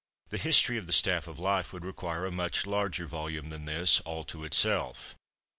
The history of The Staff of Life would require a much larger volume than this, all to itself.